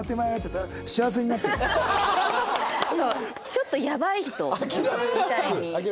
ちょっとやばい人みたいにする。